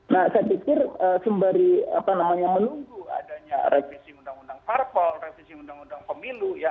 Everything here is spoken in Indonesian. nah saya pikir sembari menunggu adanya regresi undang undang farpol regresi undang undang pemilu